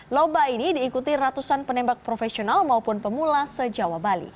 lomba ini diikuti ratusan penembak profesional maupun pemula sejawa bali